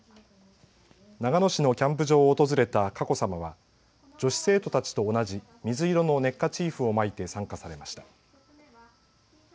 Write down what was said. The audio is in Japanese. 長野市のキャンプ場を訪れた佳子さまは女子生徒たちと同じ水色のネッカチーフを巻いて参加されました。